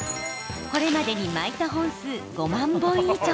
これまでに巻いた本数５万本以上。